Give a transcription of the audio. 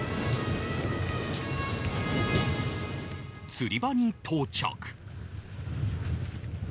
釣り場に到着